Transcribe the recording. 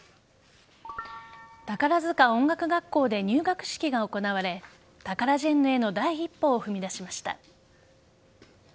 宝塚音楽学校で入学式が行われタカラジェンヌへの第一歩を踏み出しました。